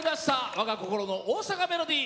「わが心の大阪メロディー」。